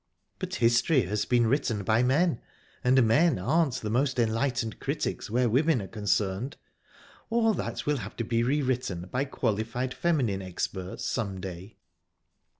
"But history has been written by men, and men aren't the most enlightened critics where women are concerned. All that will have to be re written by qualified feminine experts some day."